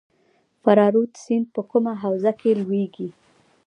فرا رود سیند په کومه حوزه کې لویږي؟